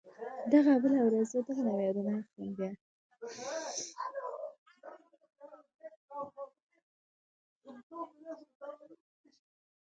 اضافي ارزښت د استثمار په پایله کې راځي